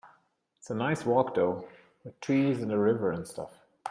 It's a nice walk though, with trees and a river and stuff.